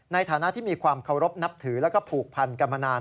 ในฐานะที่มีความเคารพนับถือแล้วก็ผูกพันกันมานาน